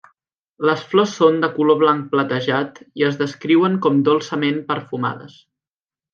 Les flors són de color blanc platejat i es descriuen com dolçament perfumades.